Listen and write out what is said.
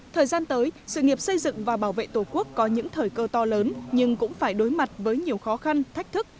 thời gian tới sự nghiệp xây dựng và bảo vệ tổ quốc có những thời cơ to lớn nhưng cũng phải đối mặt với nhiều khó khăn thách thức